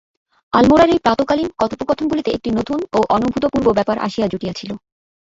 আলমোড়ার এই প্রাতঃকালীন কথোপকথনগুলিতে একটি নূতন এবং অনুভূতপূর্ব ব্যাপার আসিয়া জুটিয়াছিল।